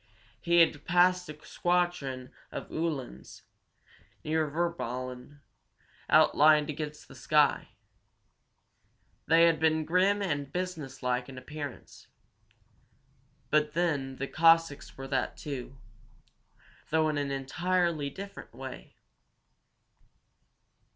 He had passed a squadron of Uhlans, near Virballen, outlined against the sky. They had been grim and business like in appearance. But then the Cossacks were that, too, though in an entirely different way.